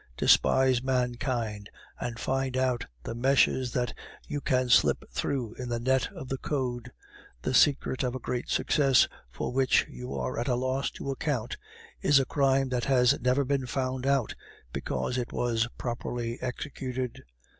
Despise mankind and find out the meshes that you can slip through in the net of the Code. The secret of a great success for which you are at a loss to account is a crime that has never been found out, because it was properly executed."